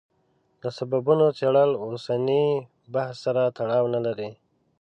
د سببونو څېړل اوسني بحث سره تړاو نه لري.